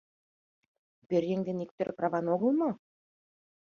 Пӧръеҥ дене иктӧр праван огыл мо?